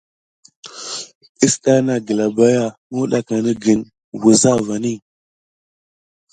Kisdà naŋ glabayà muwɗakanigən wuza vani.